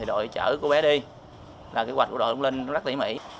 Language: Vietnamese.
đội chở cô bé đi là kế hoạch của đội cũng lên rất tỉ mỉ